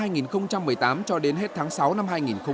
năm hai nghìn một mươi tám cho đến hết tháng sáu năm hai nghìn một mươi chín